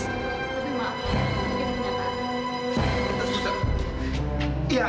tapi maaf mungkin ternyata